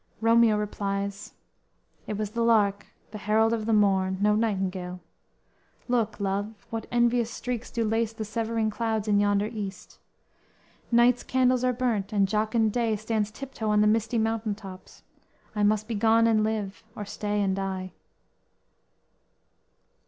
"_ Romeo replies: _"It was the lark, the herald of the morn, No nightingale; look, love, what envious streaks Do lace the severing clouds in yonder East; Night's candles are burnt, and jocund day, Stands tiptoe on the misty mountain tops; I must be gone and live, or stay and die!"